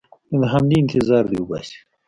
نو د حملې انتظار دې وباسي.